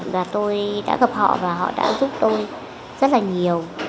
và tôi đã gặp họ và họ đã giúp tôi rất là nhiều